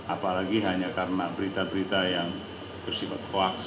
apalagi hanya karena berita berita yang bersifat hoax